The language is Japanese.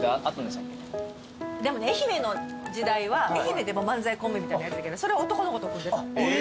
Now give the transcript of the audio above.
でもね愛媛の時代は愛媛でも漫才コンビみたいのやってたけどそれは男の子と組んでた。